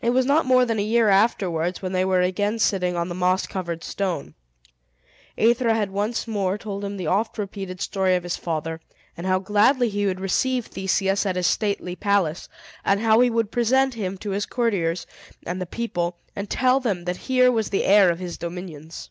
It was not more than a year afterwards when they were again sitting on the moss covered stone. Aethra had once more told him the oft repeated story of his father, and how gladly he would receive Theseus at his stately palace, and how he would present him to his courtiers and the people, and tell them that here was the heir of his dominions.